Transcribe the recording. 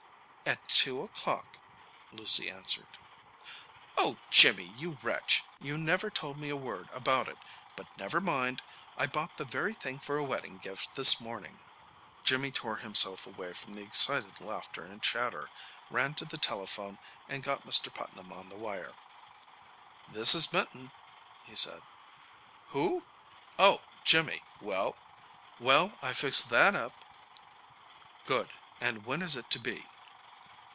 "At two o'clock," Lucy answered. "Oh, Jimmy! You wretch! You never told me a word about it. But never mind. I bought the very thing for a wedding gift this morning." Jimmy tore himself away from the excited laughter and chatter, ran to the telephone and got Mr. Putnam on the wire. "This is Minton," he said. "Who? Oh! Jimmy? Well?" "Well, I've fixed that up." "Good. And when is it to be?"